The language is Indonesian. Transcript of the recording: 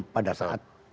pada saat terakhir